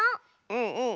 うんうん！